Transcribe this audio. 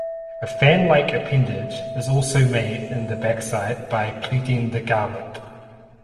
A fan like appendage is also made in the backside by pleating the garment.